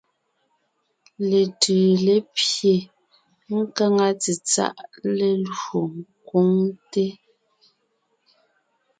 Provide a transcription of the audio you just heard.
Letʉʉ lépye, nkáŋa tsetsáʼ lélwo ńkwɔgte.